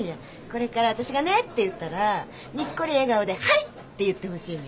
これから私が「ねっ？」って言ったらにっこり笑顔で「はい」って言ってほしいのよ。